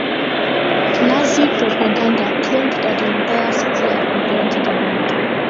Nazi propaganda claimed that the entire city had been burned to the ground.